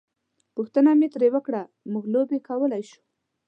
پوښتنه مې ترې وکړه: موږ لوبې کولای شو؟